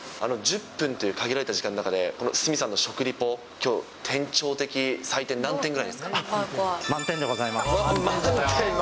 １０分という限られた時間の中で、この鷲見さんの食リポ、きょう、店長的採点、何点ぐらい満点でございます。